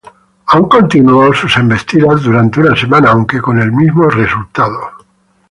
Aún continuó sus embestidas durante una semana, aunque con el mismo resultado.